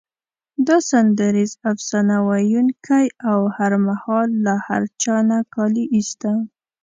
دا سندریز افسانه ویونکی او هر مهال له هر چا نه کالي ایسته.